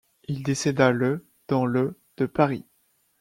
Il décéda le dans le de Paris.